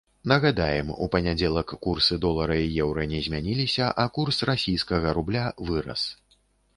Нагадаем, у панядзелак курсы долара і еўра не змяніліся, а курс расійскага рубля вырас.